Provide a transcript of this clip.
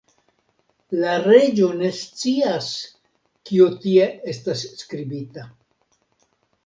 La reĝo ne scias, kio tie estas skribita!